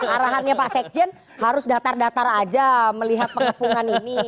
arahannya pak sekjen harus datar datar aja melihat pengepungan ini